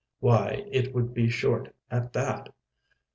Why, it would be short at that.